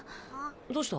どうした？